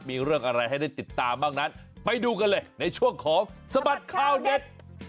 มีเรื่องอะไรให้ได้ติดตามบ้างนั้นไปดูกันเลยในช่วงของสบัดข่าวเด็ด